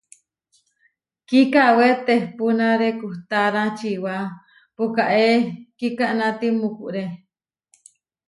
Kikawé tehpúnare kuhtára čiwá pukaé kikanáti mukuré.